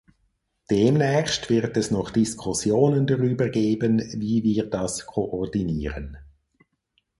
Demnächst wird es noch Diskussionen darüber geben, wie wir das koordinieren.